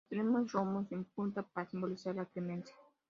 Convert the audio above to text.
Su extremo es romo, sin punta, para simbolizar la clemencia.